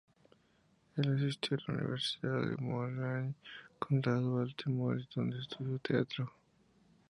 El asistió a la Universidad de Maryland, Condado de Baltimore, donde estudió teatro.